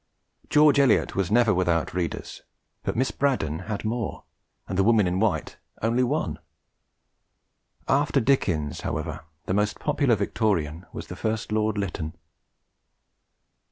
George Eliot was never without readers, but Miss Braddon had more, and The Woman in White only one! After Dickens, however, the most popular Victorian was the first Lord Lytton.